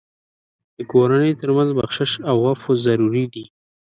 د کورنۍ تر منځ بخشش او عفو ضروري دي.